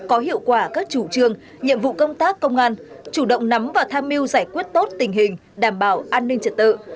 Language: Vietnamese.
có hiệu quả các chủ trương nhiệm vụ công tác công an chủ động nắm và tham mưu giải quyết tốt tình hình đảm bảo an ninh trật tự